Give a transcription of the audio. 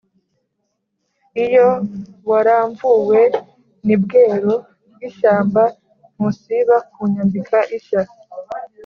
Iyo waramvuwe ni Bwero bw’ishyamba ntusiba kunyambika ishya,